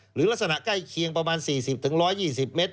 หรือลักษณะใกล้เคียงประมาณ๔๐๑๒๐เมตร